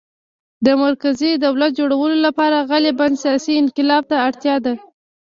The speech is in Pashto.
د مرکزي دولت جوړولو لپاره غالباً سیاسي انقلاب ته اړتیا ده